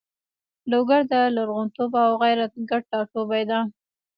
لوګر د لرغونتوب او غیرت ګډ ټاټوبی ده.